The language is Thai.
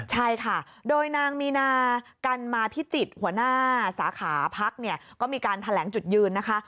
ใช่ค่ะโดยนางมีนากันมาพิจิตรหัวหน้าสาขาพักเนี่ยก็มีการแถลงจุดยืนนะคะ